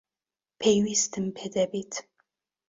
پێویستم پێی دەبێت.